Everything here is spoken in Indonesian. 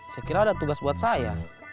saya kira ada tugas buat saya